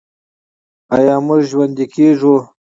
آیا موږ ژوندي کیږو؟